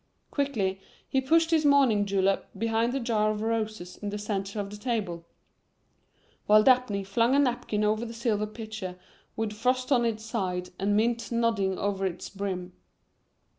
Quickly he pushed his morning julep behind the jar of roses in the center of the table, while Dabney flung a napkin over the silver pitcher with frost on its sides and mint nodding over its brim.